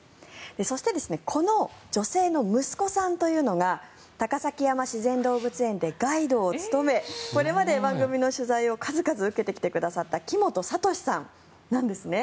そしてこの女性の息子さんというのが高崎山自然動物園でガイドを務めこれまで番組の取材を数々受けてきてくださった木本智さんなんですね。